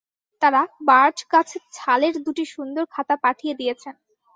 তাঁরা বার্চগাছের ছালের দুটি সুন্দর খাতা পাঠিয়ে দিয়েছেন।